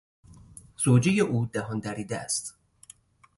زوجهی او دهان دریده است.